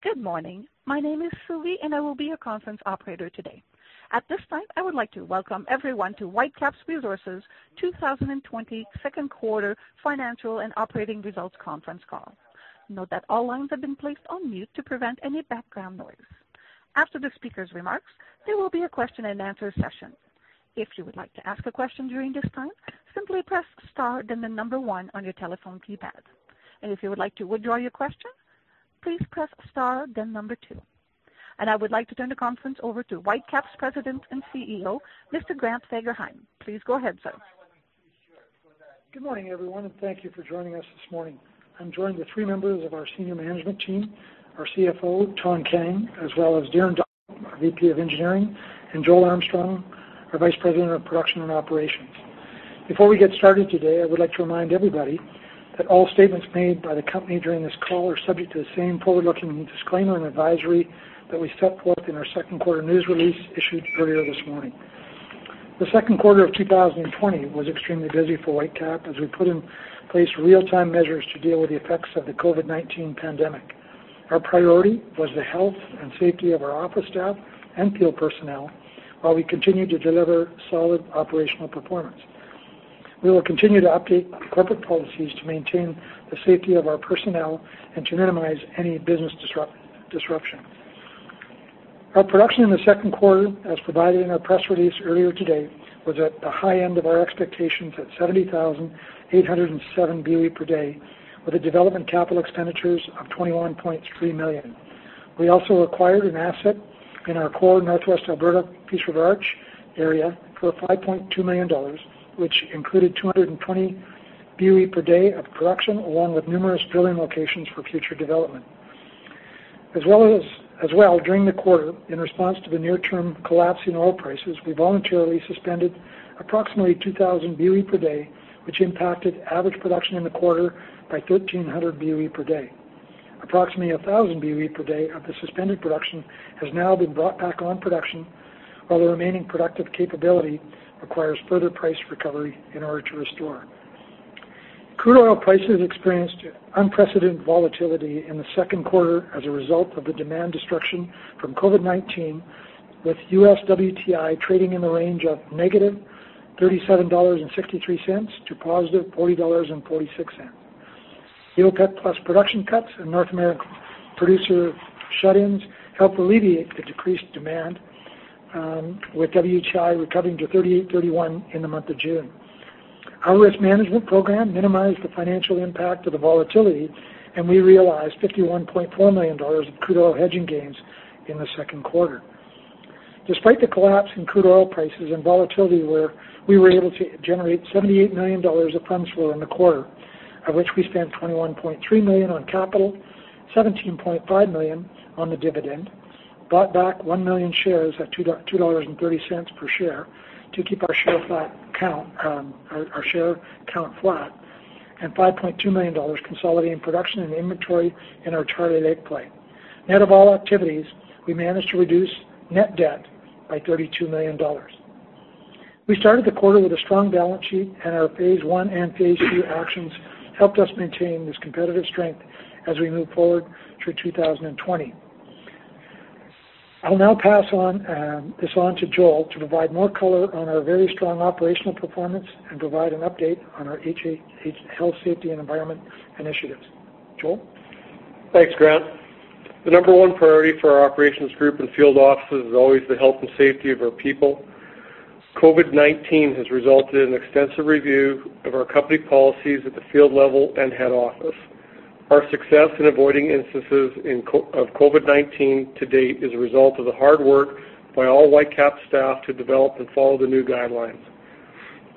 Good morning. My name is Sylvie, and I will be your conference operator today. At this time, I would like to welcome everyone to Whitecap Resources 2020 second quarter financial and operating results conference call. Note that all lines have been placed on mute to prevent any background noise. After the speaker's remarks, there will be a question-and-answer session. If you would like to ask a question during this time, simply press star then the number one on your telephone keypad. And if you would like to withdraw your question, please press star then number two. And I would like to turn the conference over to Whitecap's President and CEO, Mr. Grant Fagerheim. Please go ahead, sir. Good morning, everyone, and thank you for joining us this morning. I'm joining the three members of our senior management team: our CFO, Thanh Kang, as well as Darin Dunlop, our VP of Engineering, and Joel Armstrong, our Vice President of Production and Operations. Before we get started today, I would like to remind everybody that all statements made by the company during this call are subject to the same forward-looking disclaimer and advisory that we set forth in our second quarter news release issued earlier this morning. The second quarter of 2020 was extremely busy for Whitecap as we put in place real-time measures to deal with the effects of the COVID-19 pandemic. Our priority was the health and safety of our office staff and field personnel while we continued to deliver solid operational performance. We will continue to update corporate policies to maintain the safety of our personnel and to minimize any business disruption. Our production in the second quarter, as provided in our press release earlier today, was at the high end of our expectations at 70,807 BOE per day, with the development capital expenditures of 21.3 million. We also acquired an asset in our core Northwest Alberta Peace River Arch area for 5.2 million dollars, which included 220 BOE per day of production along with numerous drilling locations for future development. As well, during the quarter, in response to the near-term collapsing oil prices, we voluntarily suspended approximately 2,000 BOE per day, which impacted average production in the quarter by 1,300 BOE per day. Approximately 1,000 BOE per day of the suspended production has now been brought back on production, while the remaining productive capability requires further price recovery in order to restore. Crude oil prices experienced unprecedented volatility in the second quarter as a result of the demand destruction from COVID-19, with U.S. WTI trading in the range of negative $37.63 to positive $40.46. The OPEC+ production cuts and North American producer shut-ins helped alleviate the decreased demand, with WTI recovering to $38.31 in the month of June. Our risk management program minimized the financial impact of the volatility, and we realized 51.4 million dollars of crude oil hedging gains in the second quarter. Despite the collapse in crude oil prices and volatility, we were able to generate 78 million dollars of funds flow in the quarter, of which we spent 21.3 million on capital, 17.5 million on the dividend, bought back 1 million shares at 2.30 dollars per share to keep our share count flat, and 5.2 million dollars consolidating production and inventory in our Charlie Lake play. Out of all activities, we managed to reduce net debt by 32 million dollars. We started the quarter with a strong balance sheet, and our phase I and phase II actions helped us maintain this competitive strength as we move forward through 2020. I'll now pass this on to Joel to provide more color on our very strong operational performance and provide an update on our health, safety, and environment initiatives. Joel? Thanks, Grant. The number one priority for our operations group and field office is always the health and safety of our people. COVID-19 has resulted in extensive review of our company policies at the field level and head office. Our success in avoiding instances of COVID-19 to date is a result of the hard work by all Whitecap staff to develop and follow the new guidelines.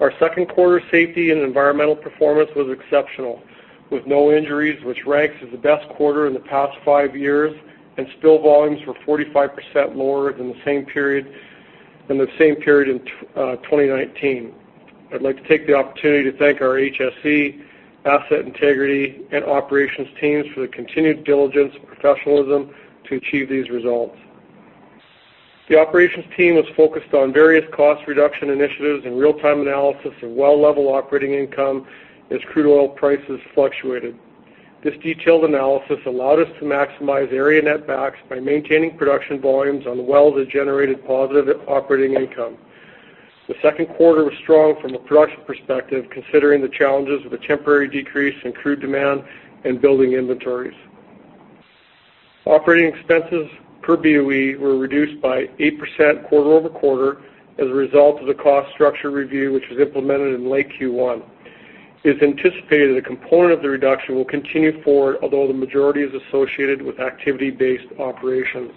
Our second quarter safety and environmental performance was exceptional, with no injuries, which ranks as the best quarter in the past five years, and spill volumes were 45% lower than the same period in 2019. I'd like to take the opportunity to thank our HSE, asset integrity, and operations teams for the continued diligence and professionalism to achieve these results. The operations team was focused on various cost reduction initiatives and real-time analysis of well-level operating income as crude oil prices fluctuated. This detailed analysis allowed us to maximize area netbacks by maintaining production volumes on wells that generated positive operating income. The second quarter was strong from a production perspective, considering the challenges of a temporary decrease in crude demand and building inventories. Operating expenses per BOE were reduced by 8% quarter over quarter as a result of the cost structure review, which was implemented in late Q1. It's anticipated that a component of the reduction will continue forward, although the majority is associated with activity-based operations.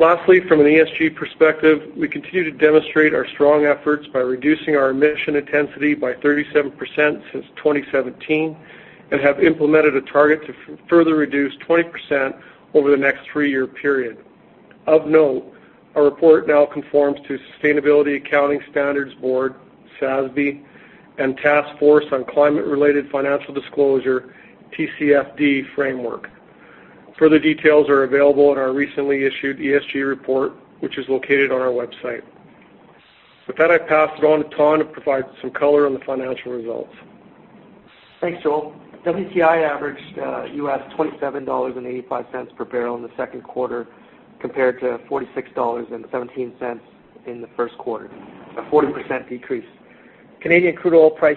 Lastly, from an ESG perspective, we continue to demonstrate our strong efforts by reducing our emission intensity by 37% since 2017 and have implemented a target to further reduce 20% over the next three-year period. Of note, our report now conforms to Sustainability Accounting Standards Board, SASB, and Task Force on Climate-related Financial Disclosure, TCFD, framework. Further details are available in our recently issued ESG report, which is located on our website. With that, I pass it on to Thanh to provide some color on the financial results. Thanks, Joel. WTI averaged $27.85 per barrel in the second quarter compared to $46.17 in the first quarter, a 40% decrease. Canadian crude oil price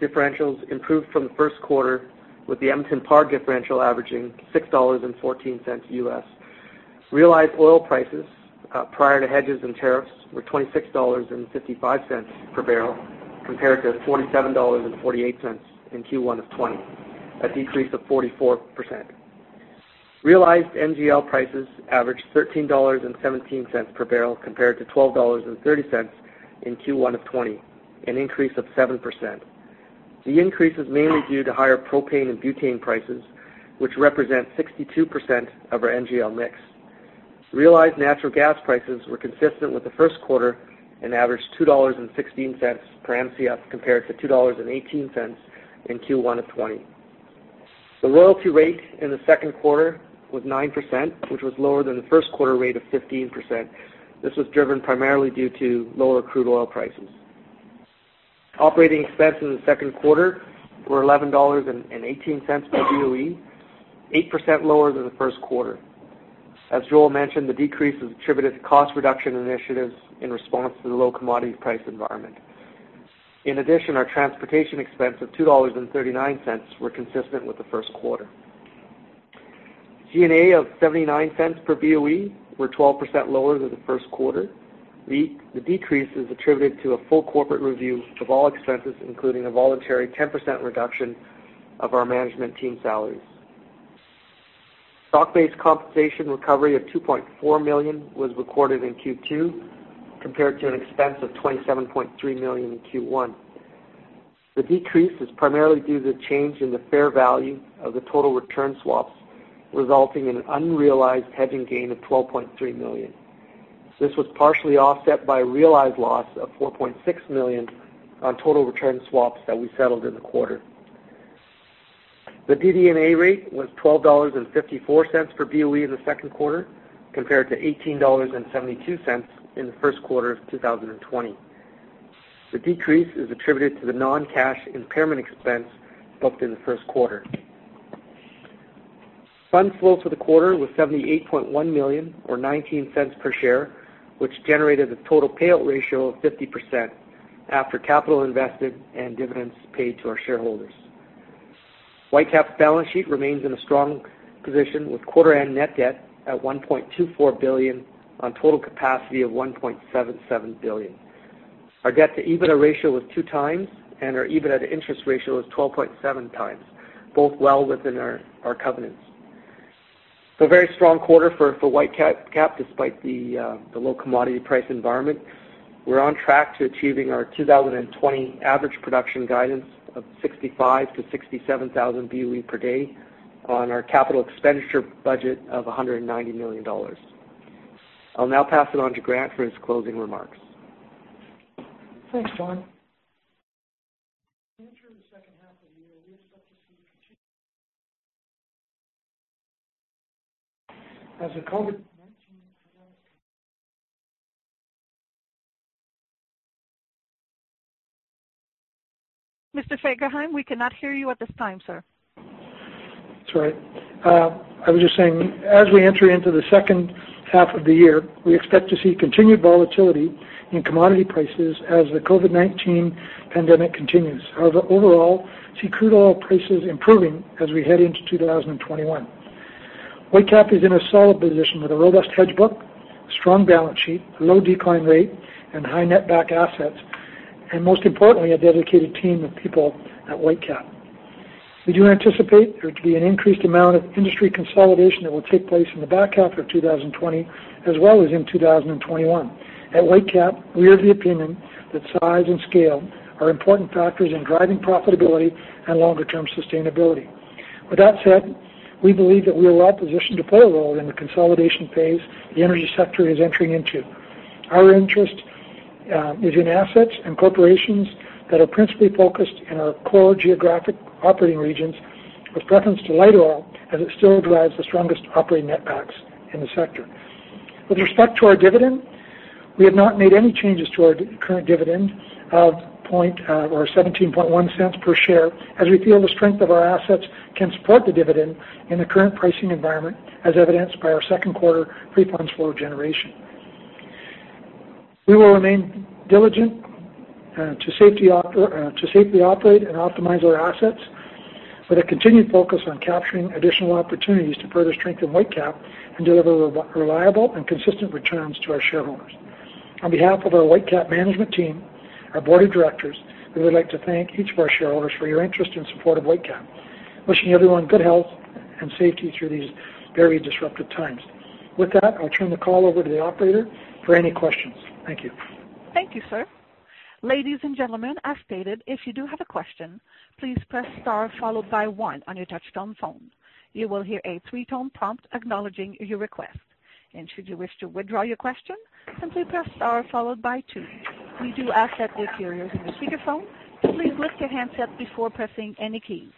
differentials improved from the first quarter, with the Edmonton Par differential averaging $6.14. Realized oil prices prior to hedges and tariffs were 26.55 dollars per barrel compared to 47.48 dollars in Q1 of 2020, a decrease of 44%. Realized NGL prices averaged 13.17 dollars per barrel compared to 12.30 dollars in Q1 of 2020, an increase of 7%. The increase is mainly due to higher propane and butane prices, which represent 62% of our NGL mix. Realized natural gas prices were consistent with the first quarter and averaged 2.16 dollars per MCF compared to 2.18 dollars in Q1 of 2020. The royalty rate in the second quarter was 9%, which was lower than the first quarter rate of 15%. This was driven primarily due to lower crude oil prices. Operating expenses in the second quarter were 11.18 dollars per BOE, 8% lower than the first quarter. As Joel mentioned, the decrease is attributed to cost reduction initiatives in response to the low commodity price environment. In addition, our transportation expenses of 2.39 dollars were consistent with the first quarter. G&A of 0.79 per BOE were 12% lower than the first quarter. The decrease is attributed to a full corporate review of all expenses, including a voluntary 10% reduction of our management team salaries. Stock-based compensation recovery of 2.4 million was recorded in Q2 compared to an expense of 27.3 million in Q1. The decrease is primarily due to the change in the fair value of the total return swaps, resulting in an unrealized hedging gain of 12.3 million. This was partially offset by a realized loss of 4.6 million on total return swaps that we settled in the quarter. The DD&A rate was 12.54 dollars per BOE in the second quarter compared to 18.72 dollars in the first quarter of 2020. The decrease is attributed to the non-cash impairment expense booked in the first quarter. Funds flow for the quarter was 78.1 million, or 0.19 per share, which generated a total payout ratio of 50% after capital invested and dividends paid to our shareholders. Whitecap's balance sheet remains in a strong position, with quarter-end net debt at 1.24 billion on total capacity of 1.77 billion. Our debt-to-EBITDA ratio was two times, and our EBITDA-to-interest ratio was 12.7 times, both well within our covenants. A very strong quarter for Whitecap despite the low commodity price environment. We're on track to achieving our 2020 average production guidance of 65,000-67,000 BOE per day on our capital expenditure budget of 190 million dollars. I'll now pass it on to Grant for his closing remarks. Thanks, Thanh. As of COVID. Mr. Fagerheim, we cannot hear you at this time, sir. Sorry. I was just saying, as we enter into the second half of the year, we expect to see continued volatility in commodity prices as the COVID-19 pandemic continues. However, overall, see crude oil prices improving as we head into 2021. Whitecap is in a solid position with a robust hedge book, strong balance sheet, low decline rate, and high netback assets, and most importantly, a dedicated team of people at Whitecap. We do anticipate there to be an increased amount of industry consolidation that will take place in the back half of 2020, as well as in 2021. At Whitecap, we are of the opinion that size and scale are important factors in driving profitability and longer-term sustainability. With that said, we believe that we are well positioned to play a role in the consolidation phase the energy sector is entering into. Our interest is in assets and corporations that are principally focused in our core geographic operating regions, with preference to light oil as it still drives the strongest operating netbacks in the sector. With respect to our dividend, we have not made any changes to our current dividend of 17.1 per share, as we feel the strength of our assets can support the dividend in the current pricing environment, as evidenced by our second quarter free funds flow generation. We will remain diligent to safely operate and optimize our assets, with a continued focus on capturing additional opportunities to further strengthen Whitecap and deliver reliable and consistent returns to our shareholders. On behalf of our Whitecap management team and board of directors, we would like to thank each of our shareholders for your interest in support of Whitecap, wishing everyone good health and safety through these very disruptive times. With that, I'll turn the call over to the operator for any questions. Thank you. Thank you, sir. Ladies and gentlemen, as stated, if you do have a question, please press star followed by one on your touch-tone phone. You will hear a three-tone prompt acknowledging your request. And should you wish to withdraw your question, simply press star followed by two. We do ask that if you're using a speakerphone, please lift your handset before pressing any keys.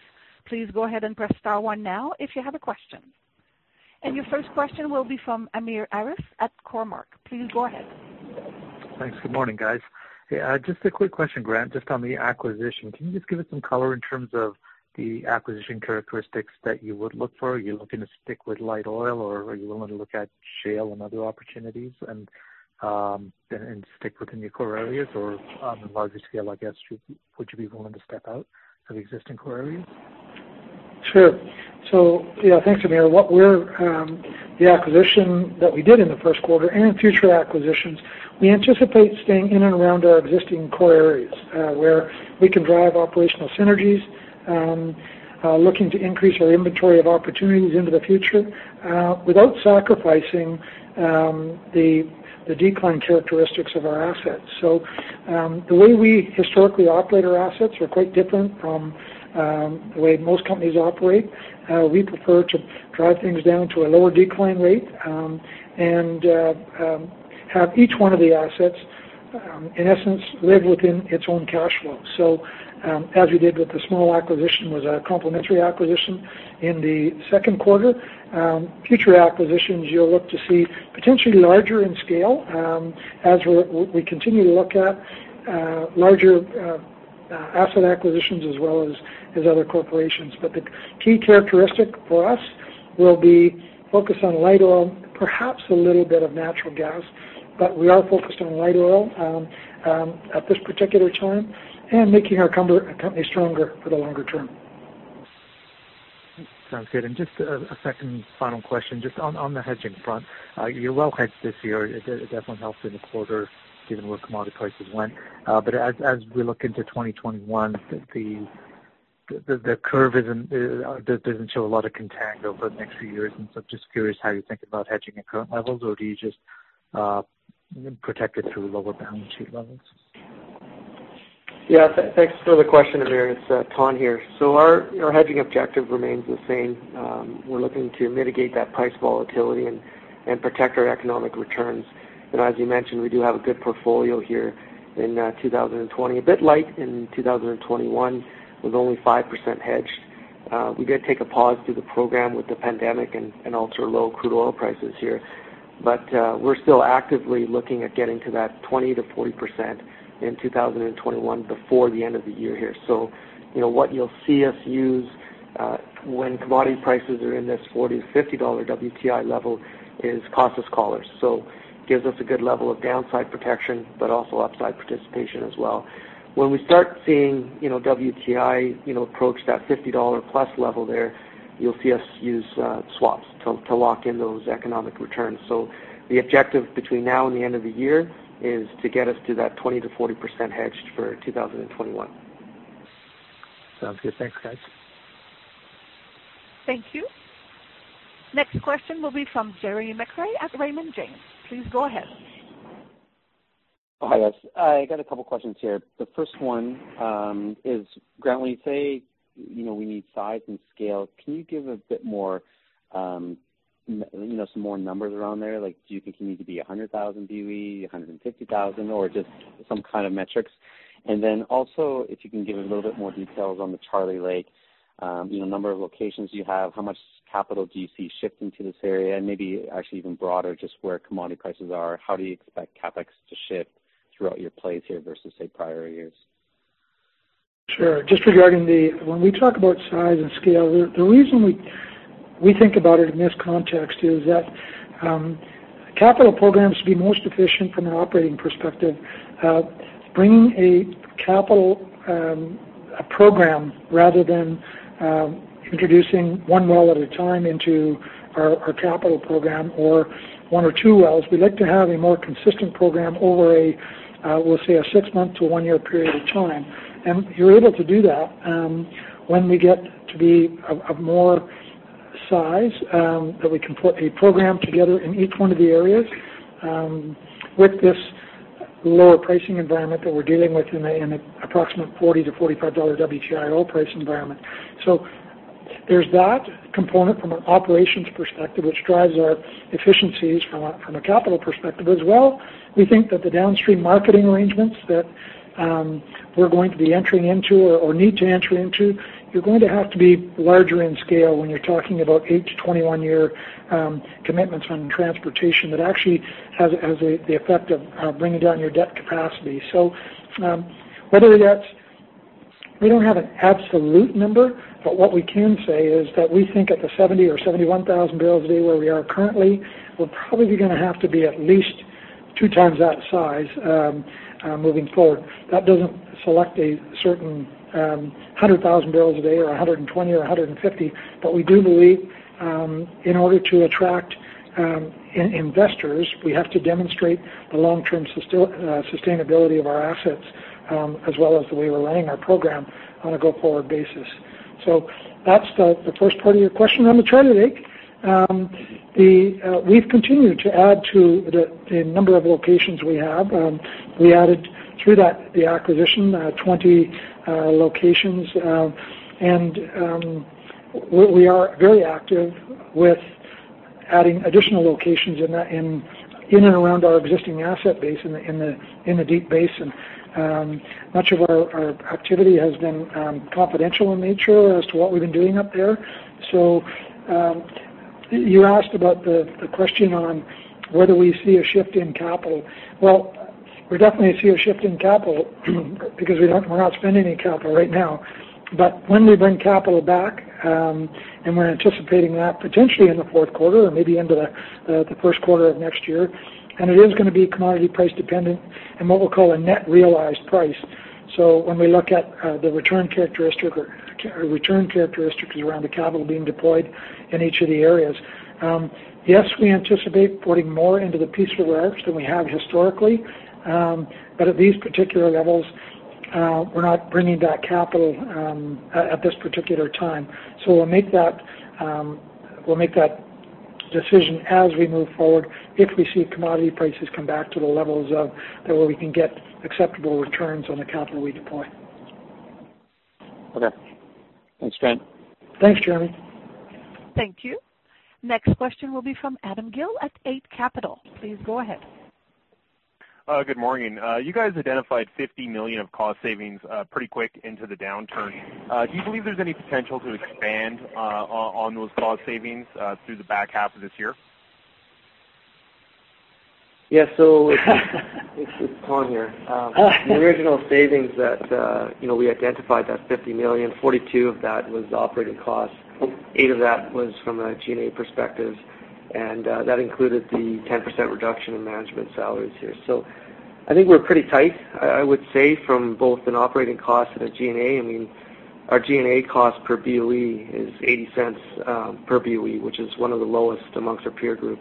Please go ahead and press star one now if you have a question. And your first question will be from Amir Arif at Cormark. Please go ahead. Thanks. Good morning, guys. Just a quick question, Grant, just on the acquisition. Can you just give us some color in terms of the acquisition characteristics that you would look for? Are you looking to stick with light oil, or are you willing to look at shale and other opportunities and stick within your core areas, or on a larger scale, I guess, would you be willing to step out of existing core areas? Sure. So, yeah, thanks, Amir. The acquisition that we did in the first quarter and future acquisitions, we anticipate staying in and around our existing core areas where we can drive operational synergies, looking to increase our inventory of opportunities into the future without sacrificing the decline characteristics of our assets. So the way we historically operate our assets are quite different from the way most companies operate. We prefer to drive things down to a lower decline rate and have each one of the assets, in essence, live within its own cash flow. So, as we did with the small acquisition, it was a complementary acquisition in the second quarter. Future acquisitions, you'll look to see potentially larger in scale as we continue to look at larger asset acquisitions as well as other corporations. But the key characteristic for us will be focus on light oil, perhaps a little bit of natural gas, but we are focused on light oil at this particular time and making our company stronger for the longer term. Sounds good. And just a second final question, just on the hedging front. You're well hedged this year. It definitely helped in the quarter given where commodity prices went. But as we look into 2021, the curve doesn't show a lot of contango for the next few years. And so I'm just curious how you're thinking about hedging at current levels, or do you just protect it through lower balance sheet levels? Yeah. Thanks for the question, Amir. It's Thanh here. So our hedging objective remains the same. We're looking to mitigate that price volatility and protect our economic returns. And as you mentioned, we do have a good portfolio here in 2020, a bit light in 2021 with only 5% hedged. We did take a pause due to the program with the pandemic and also low crude oil prices here. But we're still actively looking at getting to that 20%-40% in 2021 before the end of the year here. So what you'll see us use when commodity prices are in this $40-$50 WTI level is costless collars. So it gives us a good level of downside protection, but also upside participation as well. When we start seeing WTI approach that $50+ level there, you'll see us use swaps to lock in those economic returns. So the objective between now and the end of the year is to get us to that 20%-40% hedged for 2021. Sounds good. Thanks, guys. Thank you. Next question will be from Jeremy McCrea at Raymond James. Please go ahead. Hi, guys. I got a couple of questions here. The first one is, Grant, when you say we need size and scale, can you give a bit more, some more numbers around there? Do you think you need to be 100,000 BOE, 150,000, or just some kind of metrics? And then also, if you can give a little bit more details on the Charlie Lake, number of locations you have, how much capital do you see shifting to this area, and maybe actually even broader, just where commodity prices are, how do you expect CapEx to shift throughout your play here versus, say, prior years? Sure. Just regarding the when we talk about size and scale, the reason we think about it in this context is that capital programs should be most efficient from an operating perspective. Bringing a capital program rather than introducing one well at a time into our capital program or one or two wells, we like to have a more consistent program over a, we'll say, a six-month to one-year period of time, and you're able to do that when we get to be of more size, that we can put a program together in each one of the areas with this lower pricing environment that we're dealing with in an approximate $40-$45 WTI oil price environment. So there's that component from an operations perspective, which drives our efficiencies from a capital perspective as well. We think that the downstream marketing arrangements that we're going to be entering into or need to enter into. You're going to have to be larger in scale when you're talking about 8- to 21-year commitments on transportation that actually has the effect of bringing down your debt capacity. So whether that's, we don't have an absolute number, but what we can say is that we think at the 70,000 or 71,000 barrels a day where we are currently, we're probably going to have to be at least two times that size moving forward. That doesn't select a certain 100,000 barrels a day or 120,000 or 150,000, but we do believe in order to attract investors, we have to demonstrate the long-term sustainability of our assets as well as the way we're running our program on a go-forward basis. That's the first part of your question on the Charlie Lake. We've continued to add to the number of locations we have. We added through the acquisition 20 locations, and we are very active with adding additional locations in and around our existing asset base in the Deep Basin. Much of our activity has been confidential in nature as to what we've been doing up there. You asked about the question on whether we see a shift in capital. We definitely see a shift in capital because we're not spending any capital right now. But when we bring capital back, and we're anticipating that potentially in the fourth quarter or maybe into the first quarter of next year, and it is going to be commodity price dependent and what we'll call a net realized price. So when we look at the return characteristics around the capital being deployed in each of the areas, yes, we anticipate putting more into the Peace River Arch than we have historically, but at these particular levels, we're not bringing that capital at this particular time. So we'll make that decision as we move forward if we see commodity prices come back to the levels where we can get acceptable returns on the capital we deploy. Okay. Thanks, Grant. Thanks, Jeremy. Thank you. Next question will be from Adam Gill at Eight Capital. Please go ahead. Good morning. You guys identified 50 million of cost savings pretty quick into the downturn. Do you believe there's any potential to expand on those cost savings through the back half of this year? Yeah. So it's Thanh here. The original savings that we identified, that 50 million, 42 million of that was operating costs. 8 million of that was from a G&A perspective, and that included the 10% reduction in management salaries here. So I think we're pretty tight, I would say, from both an operating cost and a G&A. I mean, our G&A cost per BOE is 0.80 per BOE, which is one of the lowest amongst our peer group,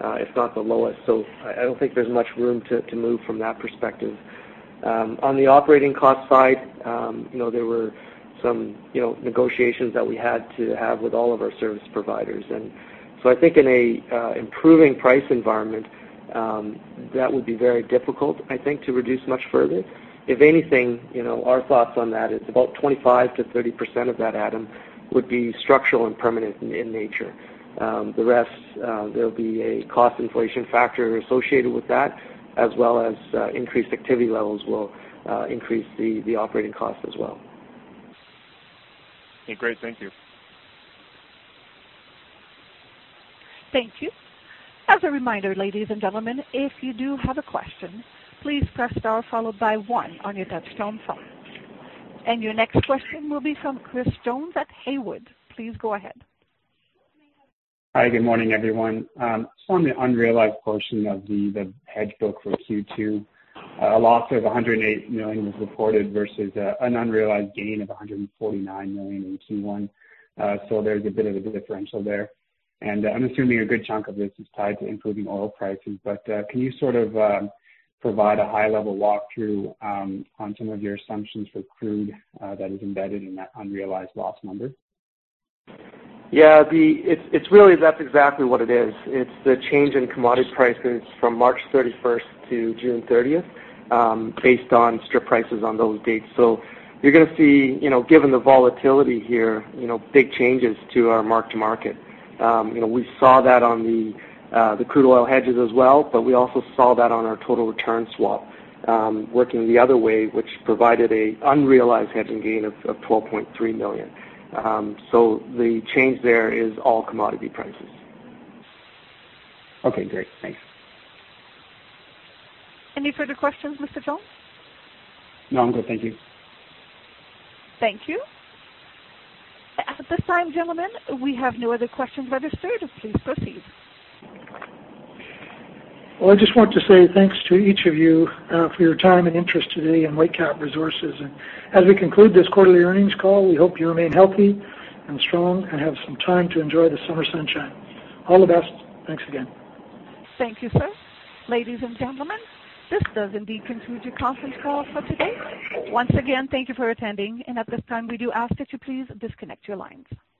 if not the lowest. So I don't think there's much room to move from that perspective. On the operating cost side, there were some negotiations that we had to have with all of our service providers. And so I think in an improving price environment, that would be very difficult, I think, to reduce much further. If anything, our thoughts on that is about 25%-30% of that, Adam, would be structural and permanent in nature. The rest, there will be a cost inflation factor associated with that, as well as increased activity levels will increase the operating cost as well. Okay. Great. Thank you. Thank you. As a reminder, ladies and gentlemen, if you do have a question, please press star followed by one on your touch-tone phone, and your next question will be from Chris Jones at Haywood. Please go ahead. Hi. Good morning, everyone. Just on the unrealized portion of the hedge book for Q2, a loss of 108 million was reported versus an unrealized gain of 149 million in Q1. So there's a bit of a differential there. And I'm assuming a good chunk of this is tied to improving oil prices. But can you sort of provide a high-level walkthrough on some of your assumptions for crude that is embedded in that unrealized loss number? Yeah. It's really that's exactly what it is. It's the change in commodity prices from March 31st to June 30th based on strip prices on those dates. So you're going to see, given the volatility here, big changes to our mark-to-market. We saw that on the crude oil hedges as well, but we also saw that on our total return swap working the other way, which provided an unrealized hedging gain of 12.3 million, so the change there is all commodity prices. Okay. Great. Thanks. Any further questions, Mr. Jones? No. I'm good. Thank you. Thank you. At this time, gentlemen, we have no other questions registered. Please proceed. I just want to say thanks to each of you for your time and interest today in Whitecap Resources. As we conclude this quarterly earnings call, we hope you remain healthy and strong and have some time to enjoy the summer sunshine. All the best. Thanks again. Thank you, sir. Ladies and gentlemen, this does indeed conclude your conference call for today. Once again, thank you for attending. And at this time, we do ask that you please disconnect your lines.